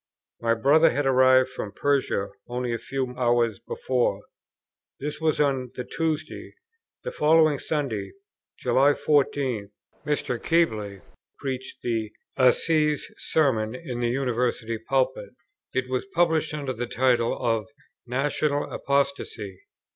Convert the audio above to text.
My brother had arrived from Persia only a few hours before. This was on the Tuesday. The following Sunday, July 14th, Mr. Keble preached the Assize Sermon in the University Pulpit. It was published under the title of "National Apostasy."